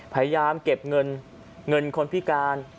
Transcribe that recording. พยายามเก็บเงินเงินคนพิการ